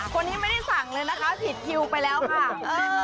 คนนี้ไม่ได้สั่งเลยนะคะผิดคิวไปแล้วค่ะ